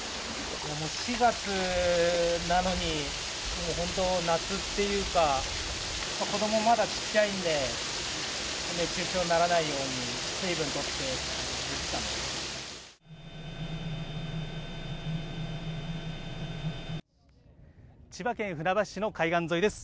４月なのに、本当、夏っていうか、子どもまだちっちゃいんで、熱中症ならないように水分とって千葉県船橋市の海岸沿いです。